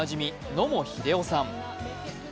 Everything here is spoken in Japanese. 野茂英雄さん。